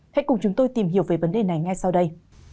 hãy cùng chúng tôi tìm hiểu về vấn đề này ngay sau đây